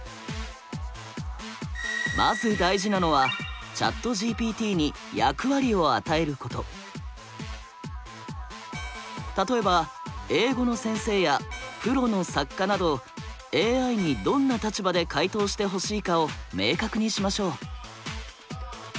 まず大事なのはＣｈａｔＧＰＴに例えば「英語の先生」や「プロの作家」などＡＩにどんな立場で回答してほしいかを明確にしましょう。